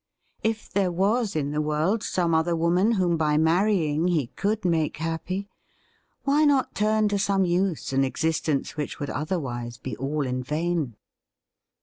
If there was in the world some other woman whom by marrying he could make happy, why not turn to some use an existence which would otherwise be all in vain